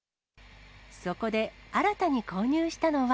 そこで、新たに購入したのは。